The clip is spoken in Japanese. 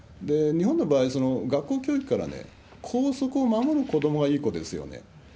日本の場合、学校教育から校則を守る子どもがいい子ですよね。